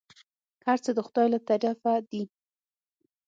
هرڅه د خداى له طرفه دي.